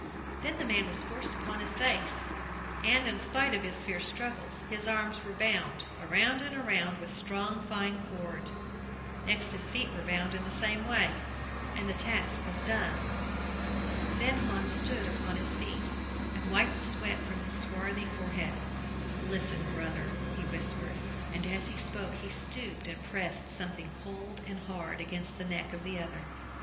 Then the man was forced upon his face and, in spite of his fierce struggles, his arms were bound around and around with strong fine cord; next his feet were bound in the same way, and the task was done. Then Hans stood upon his feet, and wiped the sweat from his swarthy forehead. "Listen, brother," he whispered, and as he spoke he stooped and pressed something cold and hard against the neck of the other.